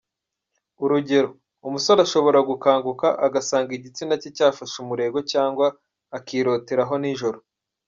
Urugero, umusore ashobora gukanguka agasanga igitsina cye cyafashe umurego cyangwa akiroteraho nijoro.